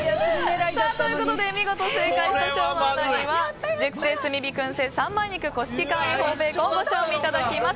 見事正解した生野アナには熟成炭火燻製三枚肉古式乾塩法ベーコンをご賞味いただきます。